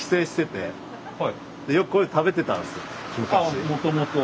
あもともと？